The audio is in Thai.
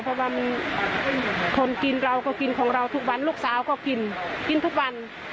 เพราะว่ามีคนกินเราก็กินของเราทุกวันลูกสาวก็กินกินทุกวัน